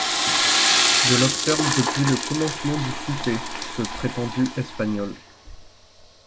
Je l’observe depuis le commencement du souper, ce prétendu espagnol.